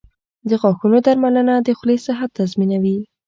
• د غاښونو درملنه د خولې صحت تضمینوي.